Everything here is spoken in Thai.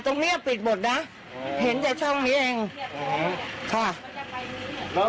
ตรงเนี้ยปิดหมดนะเห็นแต่ช่องนี้เองค่ะแล้ว